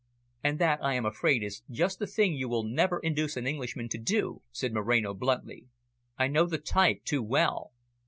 "And that, I am afraid, is just the thing you will never induce an Englishman to do," said Moreno bluntly. "I know the type too well.